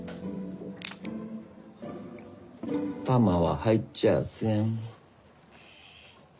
弾は入っちゃあせん。